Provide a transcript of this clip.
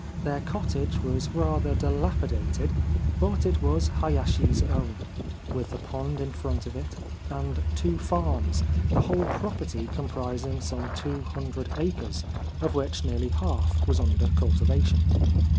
Their cottage was rather dilapi dated ; but it was Hayashi's own, with the pond in front of it, and two farms, the whole property com prising some two hundred acres, of which nearly half was under cultivation.